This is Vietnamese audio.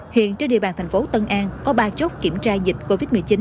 hiện trên địa bàn thành phố tân an có ba chốt kiểm tra dịch covid một mươi chín